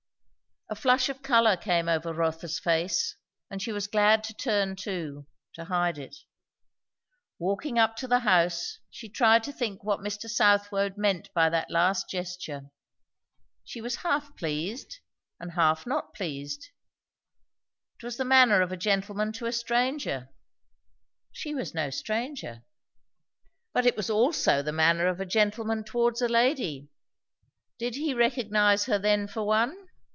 A flush of colour came over Rotha's face, and she was glad to turn too; to hide it. Walking up to the house, she tried to think what Mr. Southwode meant by that last gesture. She was half pleased, and half not pleased. It was the manner of a gentleman to a stranger; she was no stranger. But it was also the manner of a gentleman towards a lady. Did he recognize her then for one?